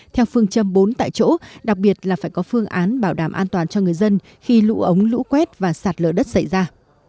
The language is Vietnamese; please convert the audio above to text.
theo phương châm bốn tại chỗ đặc biệt là phải có phương án bảo đảm an toàn cho người dân khi lũ ống lũ quét và sạt lở đất xảy ra